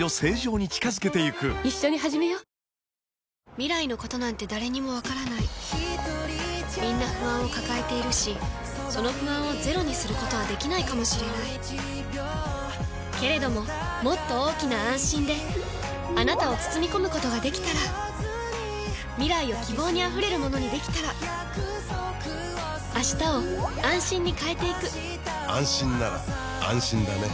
未来のことなんて誰にもわからないみんな不安を抱えているしその不安をゼロにすることはできないかもしれないけれどももっと大きな「あんしん」であなたを包み込むことができたら未来を希望にあふれるものにできたら変わりつづける世界に、「あんしん」を。